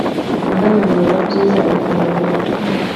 mbega ngo biraba byiza, bikananyura umutima